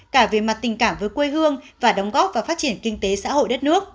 cả về mặt tình cảm với quê hương và đóng góp vào phát triển kinh tế xã hội đất nước